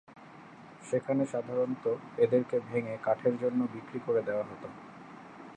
সেখানে সাধারণত এদেরকে ভেঙে কাঠের জন্য বিক্রি করে দেয়া হতো।